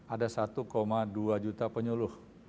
ada satu dua juta penyuluh